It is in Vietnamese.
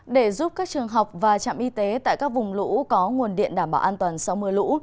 để giúp các trường học và trạm y tế tại các vùng lũ có nguồn điện đảm bảo an toàn sau mưa lũ